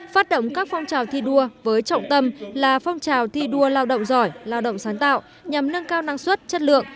phát động các phong trào thi đua với trọng tâm là phong trào thi đua lao động giỏi lao động sáng tạo nhằm nâng cao năng suất chất lượng